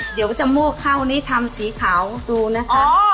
เดี๋ยวจมูกข้าวนี้ทำสีขาวดูนะครับ